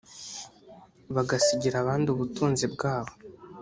bagasigira abandi ubutunzi bwabo